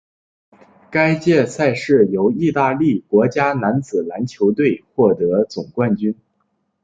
该届赛事由义大利国家男子篮球队获得总冠军。